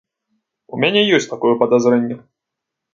У мяне ёсць такое падазрэнне.